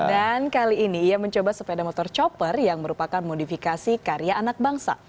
dan kali ini ia mencoba sepeda motor chopper yang merupakan modifikasi karya anak bangsa